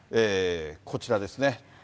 こちらですね。